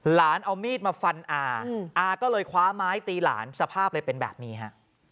เอามีดมาฟันอาก็เลยคว้าไม้ตีหลานสภาพเลยเป็นแบบนี้ฮะ